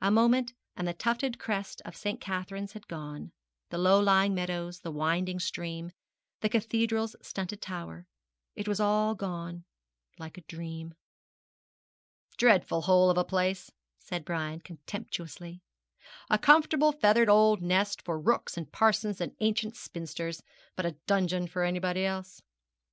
A moment, and the tufted crest of St. Catherine's had gone the low lying meadows the winding stream the cathedral's stunted tower it was all gone, like a dream. 'Dreadful hole of a place,' said Brian, contemptuously; 'a comfortably feathered old nest for rooks and parsons and ancient spinsters, but a dungeon for anybody else.'